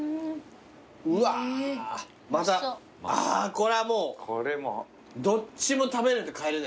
これはもうどっちも食べないと帰れないね。